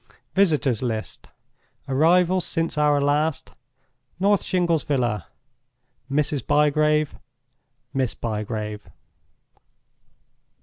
"VISITORS' LIST.—Arrivals since our last. North Shingles Villa—Mrs. Bygrave; Miss Bygrave."